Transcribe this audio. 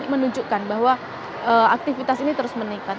menunjukkan bahwa aktivitas ini terus meningkat